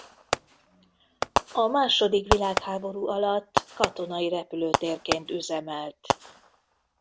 A második világháború alatt katonai repülőtérként üzemelt.